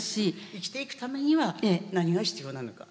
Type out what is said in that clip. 生きていくためには何が必要なのか。